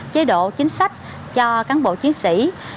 chế độ chính sách cho cán bộ chiến sĩ